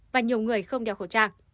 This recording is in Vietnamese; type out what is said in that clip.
và nhiều người không đeo khẩu trang